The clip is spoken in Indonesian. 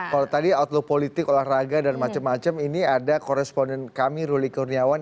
kalau tadi outlook politik olahraga dan macam macam ini ada koresponden kami ruli kurniawan